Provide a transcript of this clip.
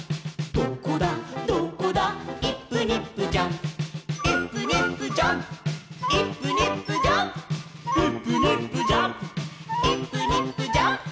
「どこだどこだイップニップジャンプ」「イップニップジャンプイップニップジャンプ」「イップニップジャンプイップニップジャンプ」